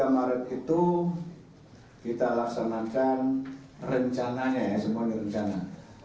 dua puluh maret itu kita laksanakan rencananya ya semuanya rencana